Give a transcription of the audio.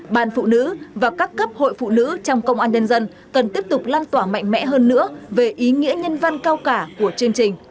ban phụ nữ và các cấp hội phụ nữ trong công an nhân dân cần tiếp tục lan tỏa mạnh mẽ hơn nữa về ý nghĩa nhân văn cao cả của chương trình